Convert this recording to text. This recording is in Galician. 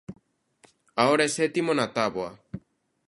Agora é sétimo na táboa.